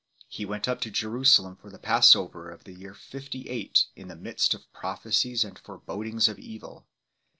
He went up to Jerusalem for the passover of the year 58 in the midst of prophecies and forebodings of evil.